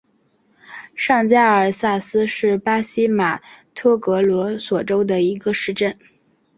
上加尔萨斯是巴西马托格罗索州的一个市镇。